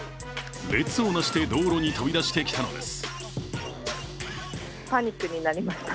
列をなして道路に飛び出してきたのです。